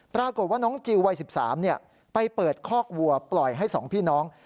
ปรากฏว่าน้องจิลวัย๑๓ไปเปิดคอกวัวปล่อยให้๒พี่น้อง